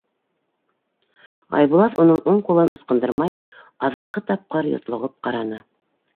Айбулат, уның уң ҡулын ысҡындырмай, аҙаҡҡы тапҡыр йотлоғоп ҡараны.